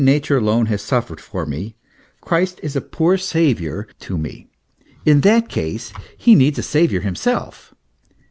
nature alone has suffered for me, Christ is a poor Saviour to me; in that case, he needs a Saviour himself."